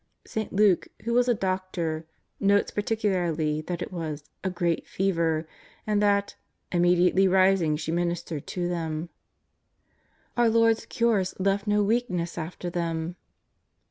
St. Luke, who was a doctor, notes par ticularly that it was '^ a great fever," and that " im mediately rising she ministered to them." Our Lord's cures left no weakness after them.